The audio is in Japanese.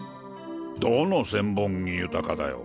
どの千本木豊だよ？